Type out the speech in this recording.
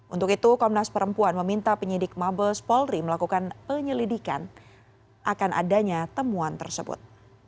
untuk itu komnas perempuan meminta penyidik mabes polri melakukan penyelidikan akan adanya temuan tersebut